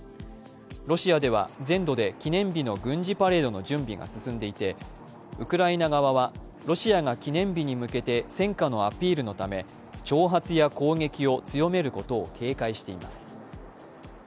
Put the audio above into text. ロシアでは全土で記念日の軍事パレードの準備が進んでいて、ウクライナ側はロシアが記念日に向けて戦果のアピールのため挑発や攻撃を強めることを警戒しています。